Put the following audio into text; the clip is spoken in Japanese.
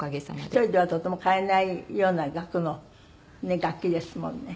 １人ではとても買えないような額の楽器ですもんね。